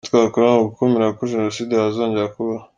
Icyo twakora ni ugukumira ko jenoside yazongera kubaho.